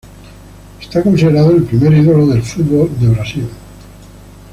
Es considerado el primer ídolo del fútbol de Brasil.